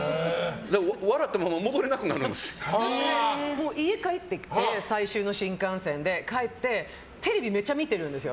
笑ったまま家帰ってきて最終の新幹線で帰ってきてテレビめちゃ見てるんですよ。